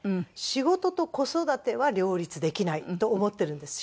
仕事と子育ては両立できないと思ってるんです。